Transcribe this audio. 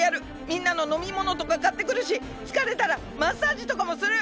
みんなののみものとかかってくるしつかれたらマッサージとかもする！